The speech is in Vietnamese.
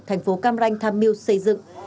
thành phố cam ranh tham miu xây dựng